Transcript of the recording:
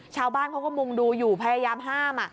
ชาวบ้านเขาก็มุงดูอยู่พยายามห้าม